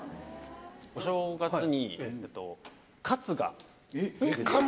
お正月にカツが出て。